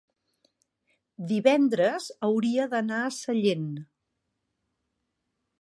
divendres hauria d'anar a Sallent.